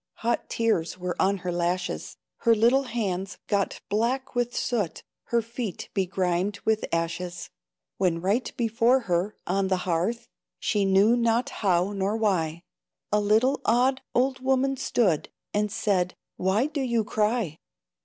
Hot tears were on her lashes, Her little hands got black with soot, Her feet begrimed with ashes, When right before her, on the hearth, She knew not how nor why, A little odd old woman stood, And said, "Why do you cry?"